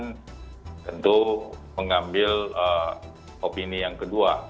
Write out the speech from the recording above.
atau si klien tentu mengambil opini yang kedua